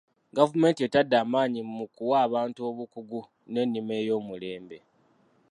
Gavumenti etadde amaanyi mu kuwa abantu obukugu n'ennima ey'omulembe.